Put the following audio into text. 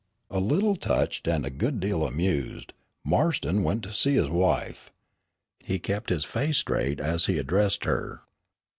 A little touched, and a good deal amused, Marston went to see his wife. He kept his face straight as he addressed her.